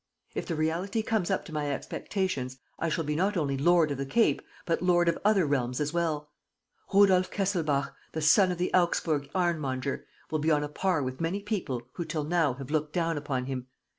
If the reality comes up to my expectations, I shall be not only Lord of the Cape, but lord of other realms as well. ... Rudolf Kesselbach, the son of the Augsburg ironmonger, will be on a par with many people who till now have looked down upon him.